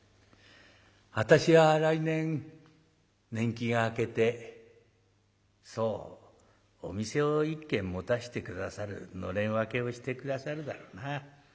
私は来年年季が明けてそうお店を１軒持たして下さる暖簾分けをして下さるだろうな。